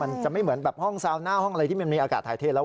มันจะไม่เหมือนแบบห้องซาวหน้าห้องอะไรที่มันมีอากาศถ่ายเทศแล้ว